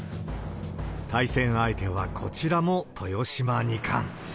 対戦相手はこちらも豊島二冠。